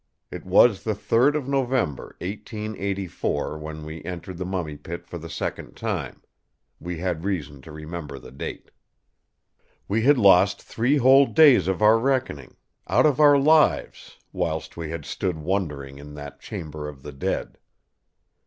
It was the 3rd of November 1884 when we entered the Mummy Pit for the second time; we had reason to remember the date. "We had lost three whole days of our reckoning—out of our lives—whilst we had stood wondering in that chamber of the dead.